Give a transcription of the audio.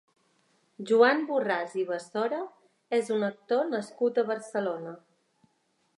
Joan Borràs i Basora és un actor nascut a Barcelona.